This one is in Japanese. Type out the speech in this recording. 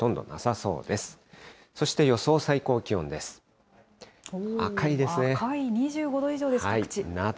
そして予想最高気温です。